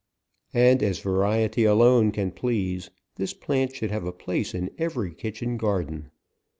And as variety alone can please, this plant should have a place in every kitchen garden.